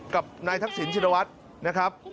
กับนายทักษิณชินวัฒน์นะครับ